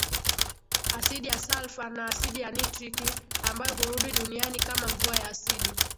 asidi ya salfa na asidi ya nitriki ambayo hurudi duniani kama mvua ya asidi